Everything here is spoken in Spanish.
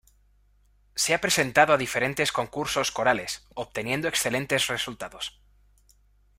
Se ha presentado a diferentes concursos corales, obteniendo excelentes resultados.